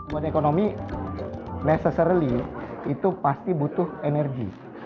buat ekonomi necessarily itu pasti butuh energi